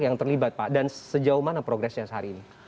yang terlibat pak dan sejauh mana progresnya sehari ini